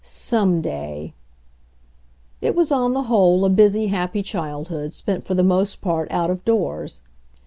Some day— —! It was on the whole a busy, happy childhood, spent for the most part out of doors.